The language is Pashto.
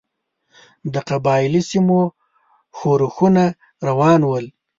د قبایلي سیمو ښورښونه روان ول.